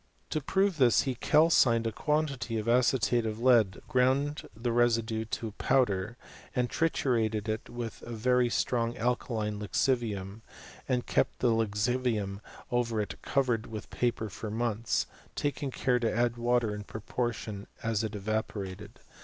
To prove this he calcined a quantity of acetate of lead, ground the residue to powder, and triturated it with a very strong alkaline lixivium, and kept the lixivium over it covered with paper for months, taking care to add water in propor tion as it evaporated.